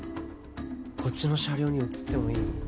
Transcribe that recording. こっちの車両に移ってもいい？